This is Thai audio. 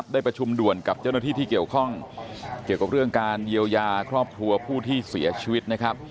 ได้ประชุมด่วนกับเจ้าหน้าที่ที่เกี่ยวข้องเกี่ยวกับเรื่องการเยียวยาครอบครัวผู้ที่เสียชีวิตนะครับ